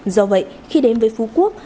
do vậy khi đến với phú quốc